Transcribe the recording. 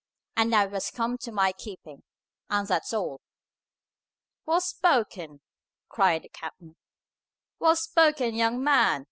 And now it has come into my keeping. And that's all." "Well spoken!" cried the captain. "Well spoken, young man!